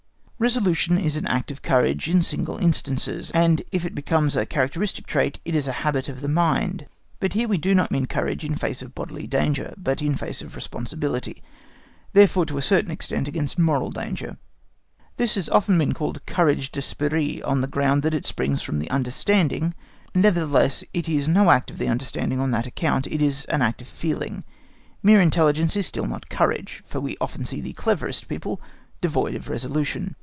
Resolution is an act of courage in single instances, and if it becomes a characteristic trait, it is a habit of the mind. But here we do not mean courage in face of bodily danger, but in face of responsibility, therefore, to a certain extent against moral danger. This has been often called courage d'esprit, on the ground that it springs from the understanding; nevertheless, it is no act of the understanding on that account; it is an act of feeling. Mere intelligence is still not courage, for we often see the cleverest people devoid of resolution.